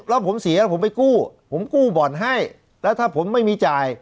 แล้วผมเสียแล้วผมไปกู้ผมกู้บ่อนให้แล้วถ้าผมไม่มีจ่าย